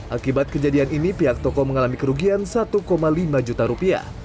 akibat kejadian ini pihak toko mengalami kerugian satu lima juta rupiah